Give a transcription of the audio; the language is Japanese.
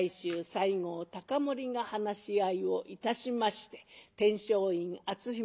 西郷隆盛が話し合いをいたしまして天璋院篤姫